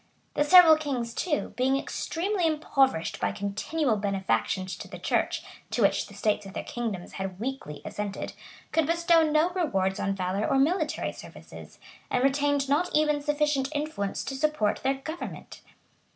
[] The several kings too, being extremely impoverished by continual benefactions to the church, to which the states of their kingdoms had weakly assented, could bestow no rewards on valor or military services, and retained not even sufficient influence to support their government.